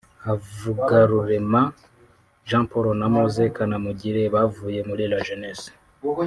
Havugarurema Jean Paul na Moses Kanamugire bavuye muri La Jeunesse